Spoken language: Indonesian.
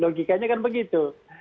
logikanya kan begitu